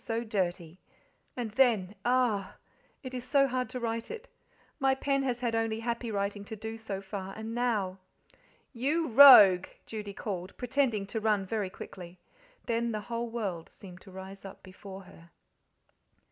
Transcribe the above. so dirty.. And then ah, God! It is so hard to write it. My pen has had only happy writing to do so far, and now! "You rogue!" Judy called, pretending to run very quickly. Then the whole world seemed to rise up before her.